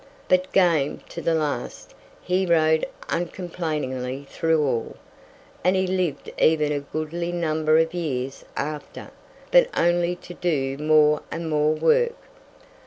But, game to the last, he rode uncomplainingly through all; and he lived even a goodly number of years after, but only to do more and more work.